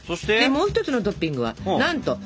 もう一つのトッピングはなんとしょうが！